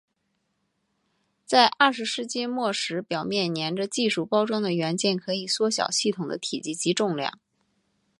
在二十世纪末时表面黏着技术包装的元件可以缩小系统的体积及重量。